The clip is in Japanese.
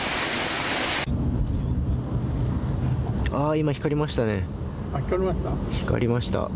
今、光りましたね。